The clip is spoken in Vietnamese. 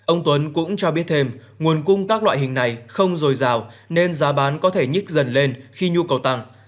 ông tuấn cũng cho biết thêm nguồn cung các loại hình này không dồi dào nên giá bán có thể nhích dần lên khi nhu cầu tăng